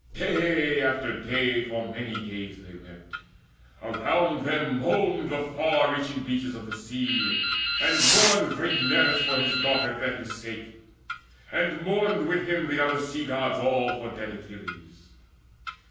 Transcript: Day after day, For many days they wept. Around them moaned Far stretching beaches of the sea, and mourned Great Nereus for his daughter Thetis' sake; And mourned with him the other Sea gods all For dead Achilles.